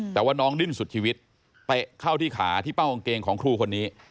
แต่ว่าน้องดิ้นสุดชีวิตเตะเข้าที่ขาที่เป้ากางเกงของครูคนนี้